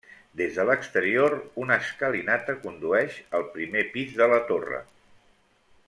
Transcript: Des de l'exterior, una escalinata condueix al primer pis de la torre.